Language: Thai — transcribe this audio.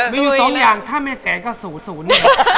มี๒อย่างถ้าไม่แสนก็สูด